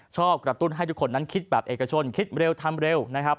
กระตุ้นให้ทุกคนนั้นคิดแบบเอกชนคิดเร็วทำเร็วนะครับ